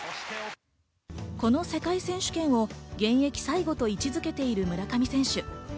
この世界選手権を現役最後と位置付けている村上選手。